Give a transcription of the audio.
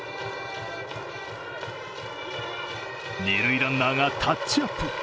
二塁ランナーがタッチアップ。